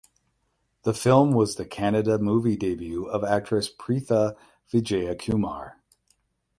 The film was the Kannada movie debut of actress Preetha Vijayakumar.